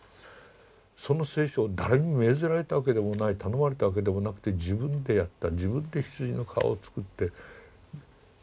その聖書を誰に命ぜられたわけでもない頼まれたわけでもなくて自分でやった自分で羊の皮を作って残していった。